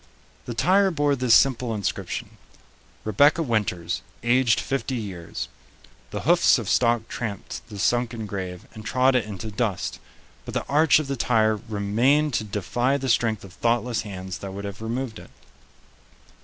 The tire bore this simple inscription: "Rebecca Winters, aged 50 years." The hoofs of stock tramped the sunken grave and trod it into dust, but the arch of the tire remained to defy the strength of thoughtless hands that would have removed it.